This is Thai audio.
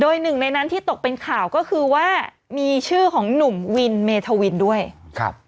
โดยหนึ่งในนั้นที่ตกเป็นข่าวก็คือว่ามีชื่อของหนุ่มวินเมธวินด้วยครับ